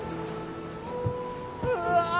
うわ！